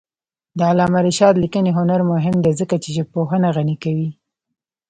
د علامه رشاد لیکنی هنر مهم دی ځکه چې ژبپوهنه غني کوي.